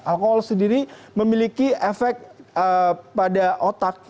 alkohol sendiri memiliki efek pada otak